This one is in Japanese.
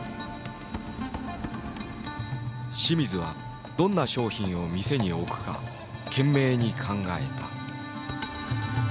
清水はどんな商品を店に置くか懸命に考えた。